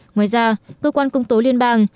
ngoài ra cơ quan công tố liên bang